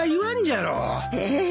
ええ。